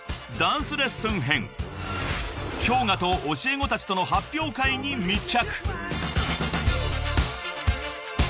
［ＨｙＯｇＡと教え子たちとの発表会に密着］